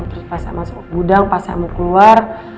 terus pas masuk gudang pas saya mau keluar